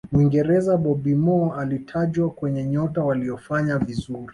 muingereza bobby moore alitajwa kwenye nyota waliyofanya vizuri